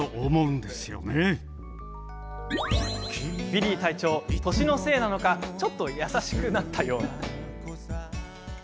ビリー隊長、年のせいなのかちょっと優しくなったような。